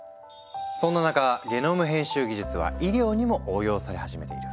そんな中ゲノム編集技術は医療にも応用され始めている。